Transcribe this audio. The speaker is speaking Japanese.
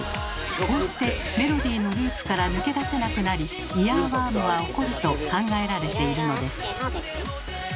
こうしてメロディーのループから抜け出せなくなりイヤーワームは起こると考えられているのです。